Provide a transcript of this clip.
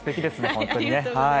本当にね。